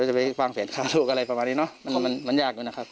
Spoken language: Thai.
จะไปวางแผนฆ่าลูกอะไรประมาณนี้เนอะมันก็มันยากด้วยนะครับ